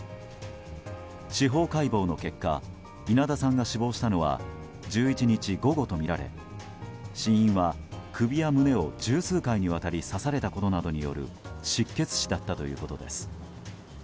司法解剖の結果稲田さんが死亡したのは１１日午後とみられ死因は首や胸を十数回にわたり刺されたことなどによる失血死だったということです。